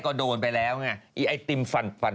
ใครแหละ